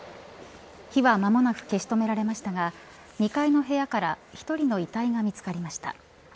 火は間もなく消し止められましたが２階の部屋から１人の遺体が見付かりました。